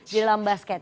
di dalam basket